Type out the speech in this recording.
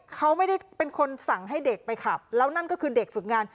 เขาไม่ได้เป็นคนสั่งให้เด็กไปขับแล้วนั่นก็คือเด็กฝึกงาน